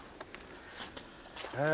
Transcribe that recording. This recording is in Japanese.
へえ。